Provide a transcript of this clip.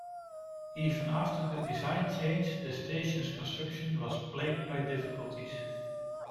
Even after the design change, the station's construction was plagued by difficulties.